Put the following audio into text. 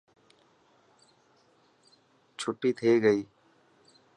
ڇوٽي ٿي گئي.